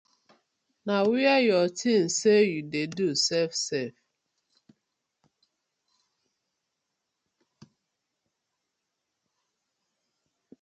Na were yu tins sey yu dey do sef sef.